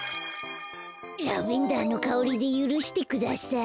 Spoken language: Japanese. ラベンダーのかおりでゆるしてください。